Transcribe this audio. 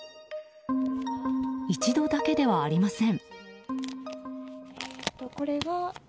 一度だけではありません。